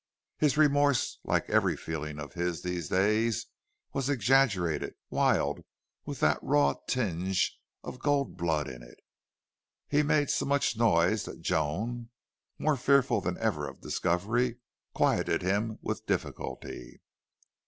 His remorse, like every feeling of his these days, was exaggerated, wild, with that raw tinge of gold blood in it. He made so much noise that Joan, more fearful than ever of discovery, quieted him with difficulty.